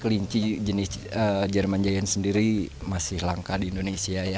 kelinci jenis jerman giant sendiri masih langka di indonesia ya